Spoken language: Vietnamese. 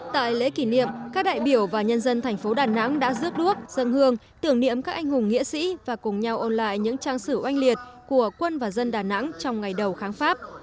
tại lễ kỷ niệm các đại biểu và nhân dân thành phố đà nẵng đã rước đuốc dân hương tưởng niệm các anh hùng nghĩa sĩ và cùng nhau ôn lại những trang sử oanh liệt của quân và dân đà nẵng trong ngày đầu kháng pháp